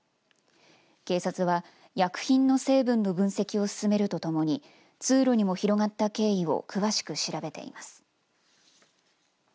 警察は薬品の成分の分析を進めるとともに通路にも広がった経緯を詳しく調べています。